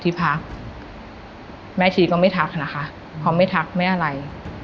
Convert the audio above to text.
ที่พักแม่ชีก็ไม่ทักนะคะเขาไม่ทักไม่อะไร